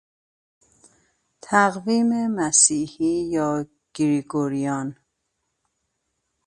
تقویم مسیحی یا گریگوریان